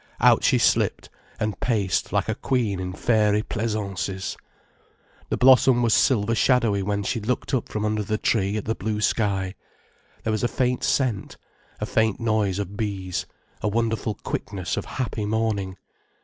Out she slipped, and paced like a queen in fairy pleasaunces. The blossom was silver shadowy when she looked up from under the tree at the blue sky. There was a faint scent, a faint noise of bees, a wonderful quickness of happy morning.